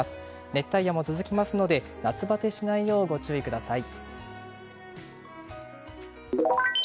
熱帯夜も続きますので夏バテしないようご注意ください。